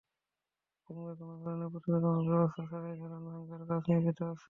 কিংবা কোনো ধরনের প্রতিরোধকমূলক ব্যবস্থা ছাড়াই দালান ভাঙ্গার কাজ নিয়োজিত আছেন।